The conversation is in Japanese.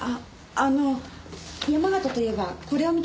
あの山形といえばこれを見てください。